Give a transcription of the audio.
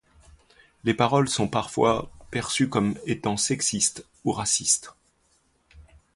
Les paroles sont parfois perçues comme étant sexistes ou racistes.